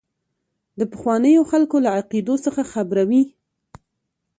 د پخوانیو خلکو له عقیدو څخه خبروي.